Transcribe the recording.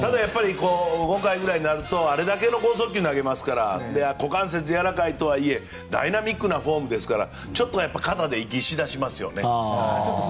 ５回ぐらいになるとあれだけの豪速球を投げますから股関節がやわらかいとはいえダイナミックなフォームですからちょっと肩で息をし出しますよね。